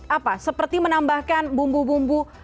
apa seperti menambahkan bumbu bumbu